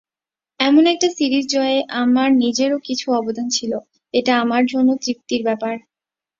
এমন একটা সিরিজ জয়ে আমার নিজেরও কিছু অবদান ছিল, এটা আমার জন্য তৃপ্তির ব্যাপার।